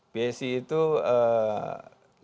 psg itu delapan puluh lima yang produksi